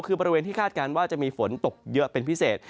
คือบริเวณที่คาดการณ์ว่าจะมีฝนตกเยอะเป็นพิเศษ